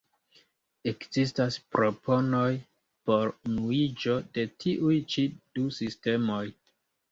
Ekzistas proponoj por unuiĝo de tiuj ĉi du sistemoj.